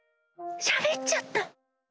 しゃべっちゃった！